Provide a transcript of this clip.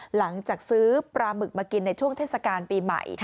หลังจากซื้อปลาหมึกมากินในช่วงเทศกาลปีใหม่